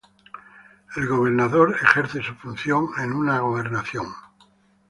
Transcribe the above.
El gobernador, ejerce su función en una gobernación.